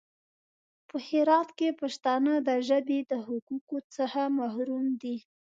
په هرات کې پښتانه د ژبې د حقوقو څخه محروم دي.